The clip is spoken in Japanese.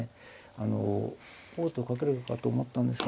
あの王手をかけられるかと思ったんですが。